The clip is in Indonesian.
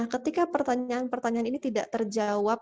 ketika pertanyaan pertanyaan ini tidak terjawab